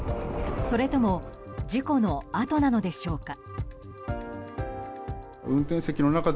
それとも事故のあとなのでしょうか。